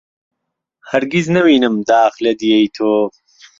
هەرگیز نەوینم داخ لە دییەی تۆ